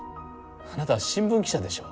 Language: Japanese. あなたは新聞記者でしょう？